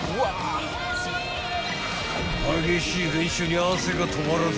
［激しい練習に汗が止まらず］